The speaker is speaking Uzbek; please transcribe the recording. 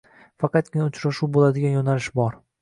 Faqatgina uchrashuv boʻladigan yoʻnalish bor.